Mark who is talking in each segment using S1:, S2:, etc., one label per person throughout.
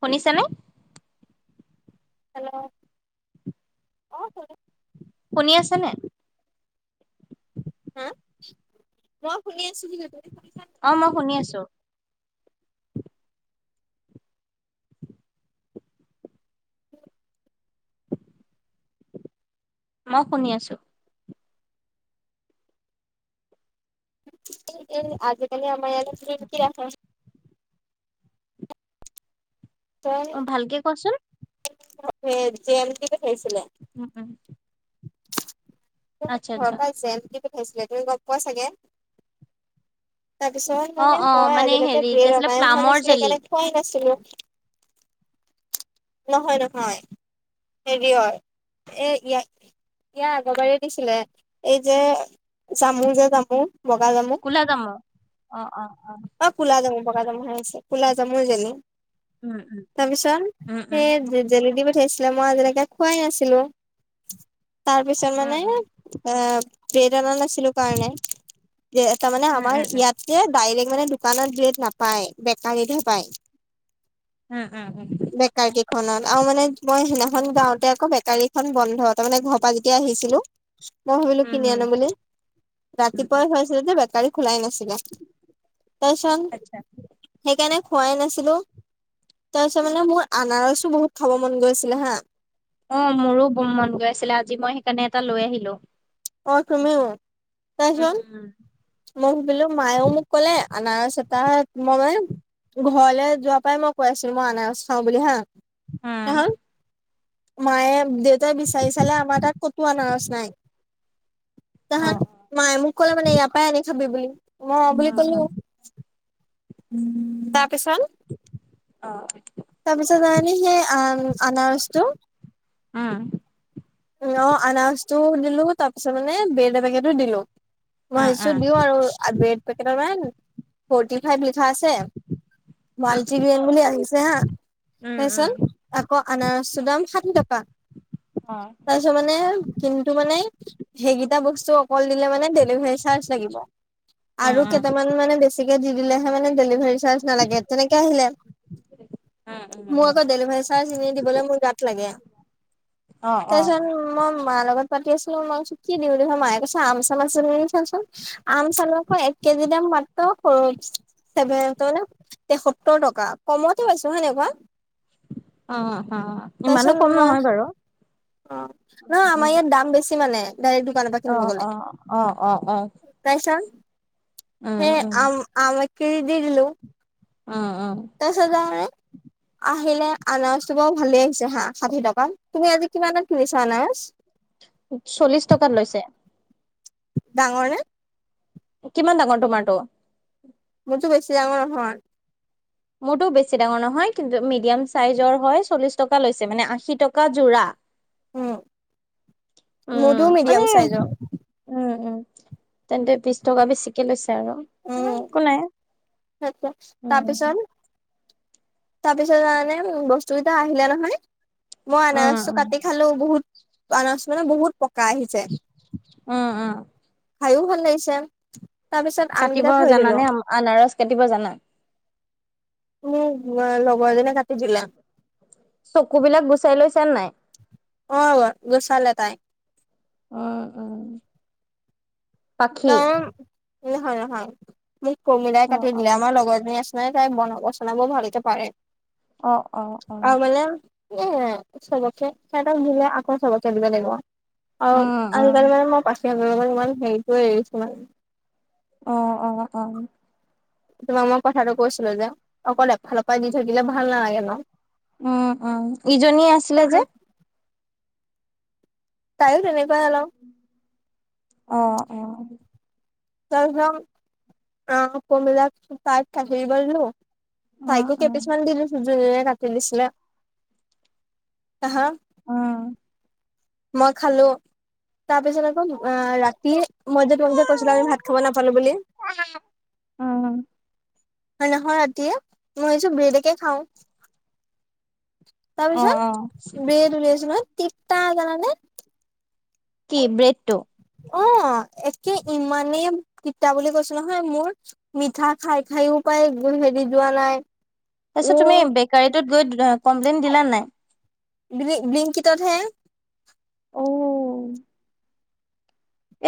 S1: শুনিছ নে?
S2: হেল্ল' অ'
S1: শুনি আছেনে?
S2: হা মই শুনি আছো সিহ শুনি
S1: অ' মই শুনি আছো। মই শুনি আছো।
S2: এই আজিকালি আমাৰ ইয় কি ৰাখা
S1: অ' ভালকে কচোন।
S2: জেলিকে খাইছিলে?
S1: উম, উম। আচ্ছা
S2: ঘৰৰ
S1: আচ্ছা
S2: পৰা জেন বুলি পঠাইছিলে তুমি গম পোৱা চাগে! তাৰপিছত
S1: অ
S2: মানে
S1: অ
S2: মই
S1: মানে
S2: আজিলৈকে
S1: হেৰি
S2: বি
S1: কি
S2: এ
S1: আছিলে
S2: ৰমায়ন হোৱা
S1: প্লামৰ
S2: নাছিলে
S1: জেলি
S2: সেইকাৰণে খোৱাই নাছিলো নহয় নহয়। হেৰি এ ইয়াত ইয়াৰ আগবাৰীত ছিলে এই যে চামু যে তামু বগা গামত।
S1: কলা কাম। অ', অ', অ'।
S2: অ' কোলা যাম বগা যাম হৈ আছে ক'লা যামো জনে।
S1: উম, উম।
S2: তাৰপিছত
S1: উম
S2: স জলেড উঠাইছিলে মই আজিলৈকে খোৱাই নাছিলো তাৰপিছত
S1: উম
S2: মানে আহ প্ৰেৰণা নাছিলো কাৰণে যে তাৰমানে
S1: উম উম
S2: আমাৰ
S1: উম উম
S2: ইয়াত এ ডাইৰেক্ট মানে দোকানত ৰেট নাপায় বেকাৰীতহে পায়।
S1: উম, উম, উম।
S2: বেকাৰী খনত আৰু মানে মই সেইদিনাখন গাওঁতে আকৌ বেকাৰী খন বন্ধ তাৰ মানে ঘৰৰ পৰা যেতিয়া আহিছিলো। মই
S1: উম
S2: ভাবিলো
S1: উম
S2: কিনি আনো বুলি
S1: উম উম
S2: ৰাতিপুৱাই হয়। বেকাৰী খোলাই নাছিলে
S1: আচ্ছা
S2: তাৰিছত সেইকাৰণে খোৱাই নাছিলো তাৰপিছত মানে মোৰ আনাৰসো বহুত খাব মন গৈছিলে হা।
S1: অ' মোৰো বৰ মন গৈ আছিলে আজি মই সেইকাৰণে এটা লৈ আহিলো।
S2: অ' তুমিও। তাৰপিছত
S1: উম।
S2: মই ভাবিলোঁ মায়েও মোক কলে আনাৰস এটা মই ঘৰলৈ যোৱাৰ পৰাই মই কৈ আছিলোঁ মই আনাৰস খাওঁ বুলি হাঁ
S1: উম,
S2: মায়ে দেউতাই বিচাৰি চালে আমাৰ তাত কতো আনাৰস নাই।
S1: অ
S2: তাহান মায়ে মোক কলে মানে ইয়াৰ পৰাই আনি খাবি বুলি, মই
S1: অ
S2: বুলি কলো তাৰপিছত?
S1: অ',
S2: তাৰপিছত জানানে সেই আনাৰসটো
S1: উম,
S2: অ', আনাৰস টো দিলো তাৰ পিছত মানে বেড এবেকেতো দিলোঁ। মই
S1: উম
S2: সিছো
S1: উম
S2: দিওঁ আৰু ব্ৰেড পেকেট এখন ফৰ্টি ফাইভ লিখা আছে
S1: অ
S2: মাল্টিব্ৰেণ্ড বুলি আহিছে হা
S1: উম উম
S2: তাৰপিছত আকৌ আনাৰসটো দাম ষাঠি টকা।
S1: অ
S2: তাৰ পিছত মানে কিন্তু মানে সেইকেইটা বস্তু কল দিলে মানে ডেলিভাৰী চাৰ্জ লাগিব,
S1: উম
S2: আৰু
S1: উম
S2: কেইটামান মানে বেছি দি দিলেহে মানে ডেলিভাৰী চাৰ্জ নালাগে তেনেকে আহিলে,
S1: উম উম
S2: মোৰ
S1: উম
S2: আকৌ ডেলিভাৰী চাৰ্জ এনেই দিবলৈ মোৰ গাত লাগে
S1: অ অ
S2: তাৰপিছত মই মা লগত পাতি আছিলোঁ, মই কৈছো কি দিয়ো তাৰপিছত মায়ে কৈছে আম চাম আছে নি ছোৱাচোন আম চাম আকৌ এক কেজি দাম মাত্ৰ [unintelligible] তেসত্তৰ টকা কমতে পাইছো হৈ নাই কোৱা?
S1: অ', অ', ইমানো
S2: তাৰপিছত
S1: কম
S2: মই
S1: নহয় বাৰু।
S2: অ', নহয় আমাৰ ইয়াত দাম বেছি মানে। ডাইৰেক্ট দোকানৰ পৰা কিনিব
S1: অ',
S2: গ'লে
S1: অ', অ', অ', অ',
S2: তাৰপিছত
S1: উম
S2: সে
S1: উম
S2: আম আম এক কেজি দি দিলো।
S1: অ', অ',
S2: তাৰপিছত আৰু আহিলে আনাৰসটো বাৰু ভালেই আহিছে হাঁ, ষাঠিটকা তুমি আজি কিমানাত কিনিছা আনাৰস?
S1: চল্লিশ টকাত লৈছে।
S2: ডাঙৰ নে?
S1: কিমান ডাঙৰ তোমাৰটো?
S2: মোৰটো বেছি ডাঙৰ নহয়।
S1: মোৰটো বেছি ডাঙৰ নহয়, কিন্তু মিডিয়াম চাইজৰ হয় চল্লিশ টকা লৈছে, মানে আশী টকা যোৰা। উম
S2: মোৰটো
S1: মানে
S2: মিডিয়াম চাইজৰ।
S1: উম, উম, তেন্তে বিশ টকা বেছিকে লৈছে আৰু ন'
S2: উম
S1: একো নাই।
S2: [unintelligible]
S1: উম
S2: তাৰপিছত তাৰপিছত জানেনে বস্তু কেইটা আহিলে নহয়, মই
S1: উম
S2: আনাৰসটো
S1: উম
S2: কাটি খালো বহুত আনাৰস মানে বহুত পকা আহিছে।
S1: উম উম
S2: খাইও ভাল লাগিছে, তাৰ পিছত আম
S1: কাটিব
S2: কেইটা থৈ দিলো।
S1: জানানে আনাৰস কাটিব জানা?
S2: মোৰ লগৰ এজনে কাটি দিলে।
S1: চকু বিলাক গুচাই লৈছা নাই?
S2: অ', গুচালে তাই।
S1: অ', অ',
S2: ত' নহয় নহয়, মোক প্ৰমিলাই
S1: অ
S2: কাটি
S1: অ
S2: দিলে আমাৰ লগৰ এজনি আছে নাই তাই বনাব চনাব ভালকে পাৰে
S1: অ অ অ
S2: আৰু মানে এ চবকে, হেতক দিলেই আকৌ চবকে দিব লাগিবো। অ',
S1: উম উম
S2: আজিকালি মানে মই পাখি হঁতৰ লগত ইমান হেৰিটো এৰিছো মানে।
S1: অ', অ', অ',
S2: তোমাক মই কথাটো কৈছিলোঁ যে অকল এফালৰ পৰা দি থাকিলে ভাল নালাগে ন'।
S1: উম, উম ইজনীয়ে আছিলে যে।
S2: তাইয়ো তেনেকুৱায়ে অলপ।
S1: অ', অ'।
S2: [inaudible]
S1: উম
S2: তাইকো কেপিচমান দি দিছো যোনে কাটি দিছিলে, হা?
S1: উম উম
S2: মই খালো তাৰ পিছত আকৌ অ' ৰাতি মই যে তোম কৈছিলো আমি ভাত খাব নাপালো বুলি।
S1: উম
S2: [unintelligible] ৰাতিয়ে মই এইয ব্ৰেডকে খাওঁ।
S1: অ অ
S2: তাৰপিছত ব্ৰেদ উলিয়াইছো নহয় তিতা জানানে।
S1: কি ব্ৰেডটো?
S2: অ', একে ইমানেই তিতা বুলি কৈছো নহয় মোৰ মিঠা খাই খাইও পায় একবোৰ হেৰি যোৱা নাই।
S1: তাৰ
S2: অ
S1: পিছত তুমি বেকাৰীটোত গৈ কমপ্লেইন দিলা নাই?
S2: ব্লুং-ব্লিংকিটত হে।
S1: অ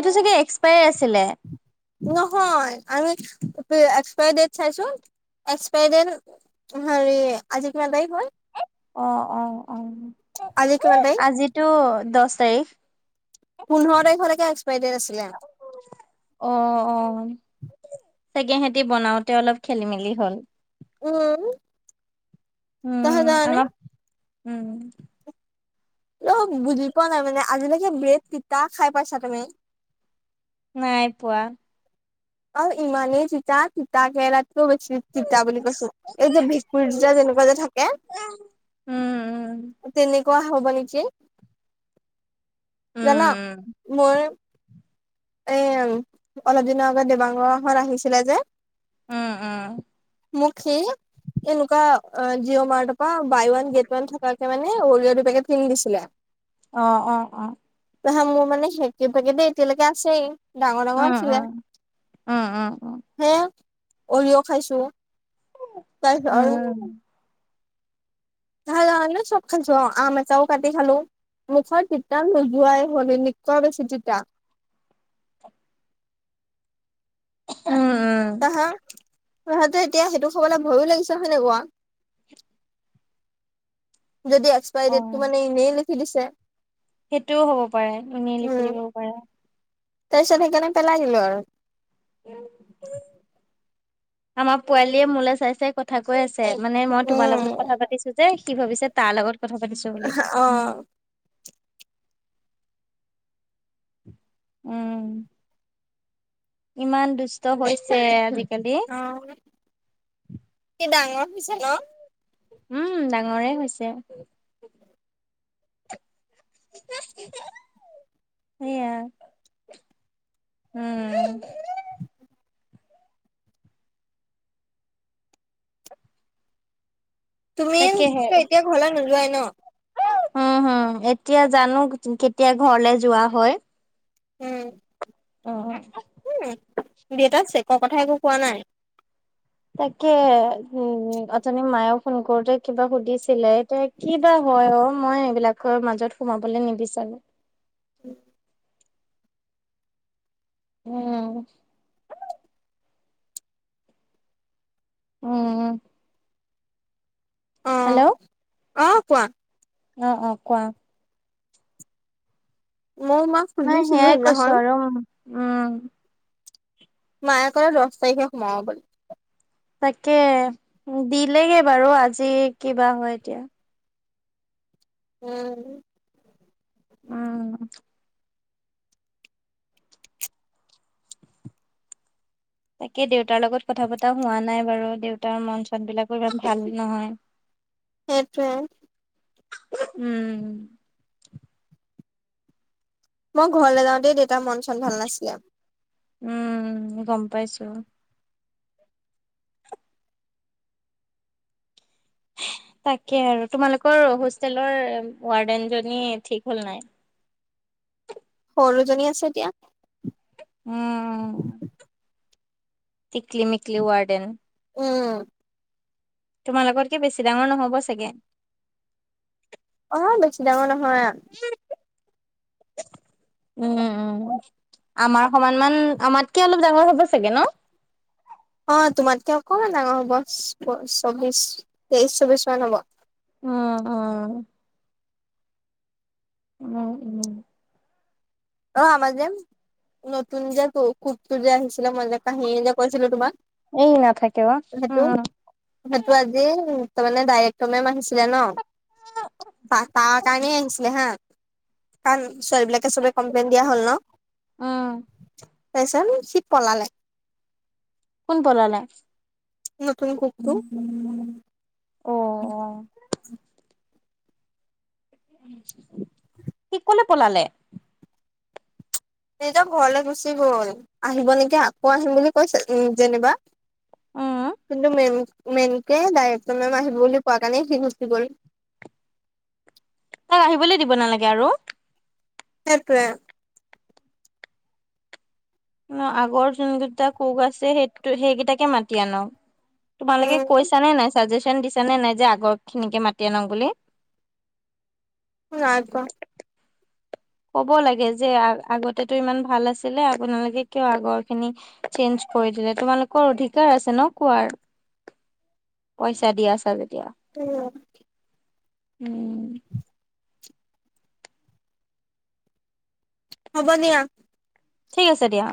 S1: এইটো চাগে এক্সপায়াৰ আছিলে।
S2: নহয় আমি এক্সপায়াৰ ডেট চাইছো এক্সপায়াৰ ডেট হেৰি আজি কিমান তাৰিখ হ'ল?
S1: অ', অ', অ'।
S2: আজি কিমান তাৰিখ?
S1: আজিতো দহ তাৰিখ।
S2: পোন্ধৰ তাৰিখ লৈকে একসপাইাৰ ডেট আছিলে।
S1: অ', অ'। তাকে সিহঁতি বনাওঁতে অলপ খেলি মেলি হ'ল।
S2: উম। তাৰপিছত
S1: উম,
S2: জানানে
S1: আমাৰ উম।
S2: অ', বুজি পোৱা নাই মানে আজিলৈকে ব্ৰেড তিতা খাই পাইছা তুমি?
S1: নাই পোৱা!
S2: অ', ইমানেই তিতা তিতা কেৰেলাতকৈও বেছি তিতা বুলি কৈছো।
S1: উম
S2: এই যে ভেকুৰী তিতা যে যেনেকুৱা যে থাকে।
S1: উম
S2: তেনেকুৱা হ'ব নেকি। জানা
S1: উম
S2: মই এ অলপ দিনৰ দেবাংগৰ ঘৰত আহিছিলে যে।
S1: উম, উম।
S2: মোক সি এনেকুৱা জিঅ' মাৰ্টৰ পৰা বাই ওৱান গেট ওৱান থাকে মানে অৰিয় দুপেকেট কিনি দিছিলে।
S1: অ', অ', অ'।
S2: তাৰপিছত মোৰ মানে সেই কি পেকেটে এতিয়ালৈকে আছেই ডাঙৰ ডাঙৰ
S1: উম
S2: আছিলে।
S1: উম উম, উম।
S2: সেই অৰিয় খাইছো
S1: উম
S2: তাৰপিছত
S1: উম
S2: আৰু [unintelligible] আম এটাও কাটি খালো। মুখত তিতা নোযোৱাই হ'ল এনেকুৱা বেছি তিতা।
S1: উম, উম।
S2: তাৰপিছত সিহঁতে এতিয়া সেইটো খাবলৈ ভয়ো লাগিছে হেনেকুৱা। যদি এক্সপাই
S1: অ
S2: ডেটটো মে এনেই লিখি দিছে।
S1: সেইটোও হ'ব পাৰে এনে লিখি
S2: উম
S1: দিবও পাৰে।
S2: তাৰপিছত সেই কাৰণে পেলাই দিলো আৰু।
S1: আমাৰ পোৱালীয়ে মোলৈ চাই চাই কথা কৈ আছে। মানে মই তোমাৰ
S2: উম
S1: লগত কথা পাতিছো যে কি ভাবিছে তাৰ লগত কথা পাতিছো বুলি।
S2: অ
S1: উম। ইমান দুষ্ট হৈছে আজিকালি।
S2: অ' কি ডাঙৰ হৈছে ন?
S1: উম ডাঙৰে হৈছে। সেইয়া। উম। তাকেহে
S2: তুমিটো এতিয়া ঘৰলে নোলোৱাই ন?
S1: উম হম এতিয়া জানো কেতিয়া ঘৰলে যোৱা হয়।
S2: উম।
S1: অহ।
S2: উম, দেউতাৰ চেকৰ কথা একো কোৱা নাই।
S1: তাকে উম, অথনি মায়ে ফোন কৰোতে কিবা সুধিছিলে তাইক। কি বা হয় অহ, মই এইবিলাকৰ মাজত সোমাবলৈ নিবিচাৰোঁ।
S2: উম।
S1: উম। উম। হেল্ল'।
S2: অহ, কোৱা?
S1: অহ', অহ' কোৱা?
S2: [unintelligible]
S1: মানে সেয়াই
S2: সেইদিনাখন
S1: কৈছোঁ আৰু উম।
S2: মায়ে কয় দহ তাৰিখে সোমাব বুলি।
S1: তাকে দিলেগে বাৰু আজি কিবা হয় এতিয়া।
S2: উম।
S1: উম। তাকে দেউতাৰ লগত কথা পতা হোৱা নাই বাৰু। দেউতাৰ মন-চনবিলাকো ইমান ভাল নহয়। [inaudible]
S2: সেইটোৱে।
S1: উম।
S2: মই ঘৰলৈ যাওঁতেই দেউতাৰ মন-চন ভাল নাছিলে।
S1: উম, গম পাইছোঁ। তাকে আৰু তোমালোকৰ হোষ্টেলৰ ৱাৰ্ডেনজনী ঠিক হ'ল নাই?
S2: সৰুজনী আছে এতিয়া।
S1: উম, টিক্লী-মিক্লী ৱাৰ্ডেন।
S2: উম।
S1: তোমালোকতকে বেছি ডাঙৰ নহ'ব চাগে।
S2: অহ, বেছি ডাঙৰ নহয়।
S1: [unintelligible] উম', উম'। আমাৰ সমান মান, আমাতকে অলপ ডাঙৰ হ'ব চাগে ন'?
S2: অহ, তোমাতকে অকমান ডাঙৰ হ'ব, চৌবিশ তেইশ চৌবিশ মান হ'ব।
S1: উম', উম'। উম', উম'।
S2: অহ, আমাৰ যে নতুন যে কুকটো যে আহিছিলে, মই যে কাহিনী যে কৈছিলোঁ তোমাক।
S1: এই নাথাকে ন'
S2: সেইটো
S1: উম।
S2: সেইটো আজি তাৰমানে ডাইৰেক্ট মেম আহিছিলে ন'। তাৰ-তাৰকাৰণে আহনিছিলে হা কাৰণ ছোৱালীবিলাকে কমপ্লেইন দিয়া হ'ল ন'
S1: উম
S2: তাৰপিছত সি পলালে।
S1: কোন পেলালে?
S2: নতুন কুকটো।
S1: অ
S2: উম।
S1: অ
S2: [unintelligible]
S1: সি ক'লে পলালে?
S2: নিজৰ ঘৰলে গুচি গ'ল। আহিব নেকি? আকৌ আহিম বুলি কৈছে যেনিবা।
S1: উম
S2: কিন্তু মেইনকে ডাইৰেক্টৰ মেম আহিব বুলি কোৱা কাৰণে সি গুচি গ'ল।
S1: তাক আহিবলৈ দিব নালাগে আৰু।
S2: সপোৱে [inaudible]
S1: মানে আগৰ যোনকেইটা কোক আছে সেই সেইকেইটাকে মাতি আনক। তোমালোকে
S2: উম
S1: কৈছা নে নাই, চাজেচন দিছী নে নাই যে, আগৰ খিনিকে মাতি আনক বুলি।
S2: [inaudible]
S1: ক'ব লাগে যে আ আগতেটো ইমান ভাল আছিলে আপোনালোকে কিয় আগৰ খিনি চেঞ্জ কৰি দিলে, তোমালোকৰ অধিকাৰ আছে ন কোৱাৰ। পইচা দি আছা যেতিয়া।
S2: অঁ
S1: উম।
S2: হ'ব দিয়া।
S1: ঠিক আছে দিয়া।